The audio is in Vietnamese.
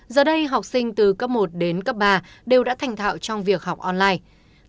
giờ đây học sinh từ cấp một đến cấp ba đều đã thành thạo trong việc học online